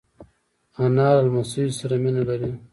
انا له لمسیو سره مینه لري